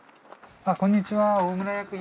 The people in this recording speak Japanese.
あっこんにちは。